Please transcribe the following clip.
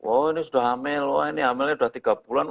oh ini sudah hamil wah ini hamilnya sudah tiga bulan